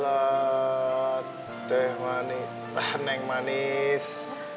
alhamdulillah teh manis